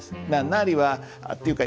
「なり」はっていうか